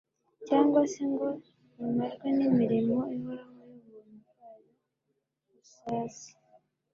cyangwa se ngo imarwe n'imirimo ihoraho y'ubuntu bwayo busaze.